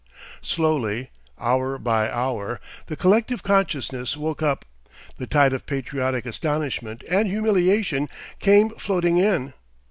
Slowly, hour by hour, the collective consciousness woke up, the tide of patriotic astonishment and humiliation came floating in.